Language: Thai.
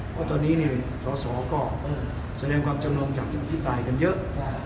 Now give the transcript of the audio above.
เพราะตอนนี้สเรียนความจำนวนจากอภิปรายถึงเยอะ